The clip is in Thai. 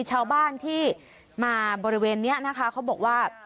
ชาวบ้านที่มาบริเวณนี้นะคะเขาบอกว่า